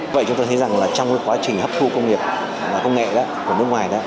vậy chúng ta thấy rằng trong quá trình hấp thụ công nghiệp công nghệ của nước ngoài